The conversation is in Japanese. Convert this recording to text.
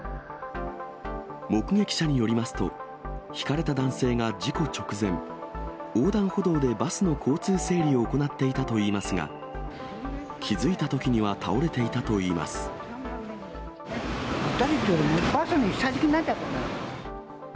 目撃者によりますと、ひかれた男性が事故直前、横断歩道でバスの交通整理を行っていたといいますが、気付いたとぐったりというか、もうバスの下敷きになっちゃったのよ。